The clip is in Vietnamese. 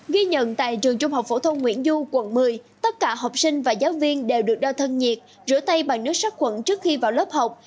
ghi nhận tại trường trung học phổ thông nguyễn du quận một mươi tất cả học sinh và giáo viên đều được đo thân nhiệt rửa tay bằng nước sát khuẩn trước khi vào lớp học